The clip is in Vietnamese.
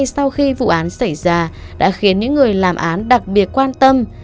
sau khi vụ án xảy ra đã khiến những người làm án đặc biệt quan tâm